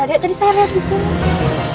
aku gak ada tadi saya lihat disini